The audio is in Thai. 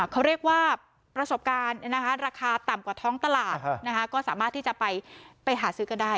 เขาเรียกว่าประสบการณ์ราคาต่ำกว่าท้องตลาดก็สามารถที่จะไปหาซื้อก็ได้